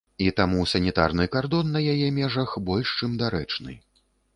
І таму санітарны кардон на яе межах больш чым дарэчны.